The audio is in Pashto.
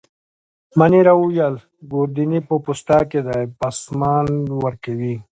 مانیرا وویل: ګوردیني په پوسته کي دی، پاسمان ورکوي.